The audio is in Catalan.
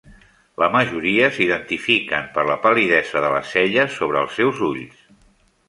La majoria s'identifiquen per la pal·lidesa de les "celles" sobre els seus ulls.